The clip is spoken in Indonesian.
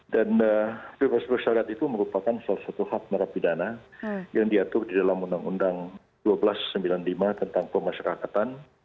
dan bebas bersyarat itu merupakan salah satu hak merapidana yang diatur di dalam undang undang seribu dua ratus sembilan puluh lima tentang pemasyarakatan